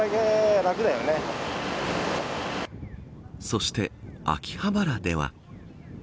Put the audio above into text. そして秋葉原では。